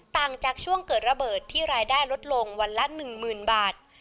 ต่างจากช่วงเกิดระเบิดที่รายได้ลดลงวันละ๑๐๐๐บาท